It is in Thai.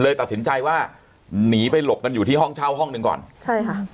ตัดสินใจว่าหนีไปหลบกันอยู่ที่ห้องเช่าห้องหนึ่งก่อนใช่ค่ะ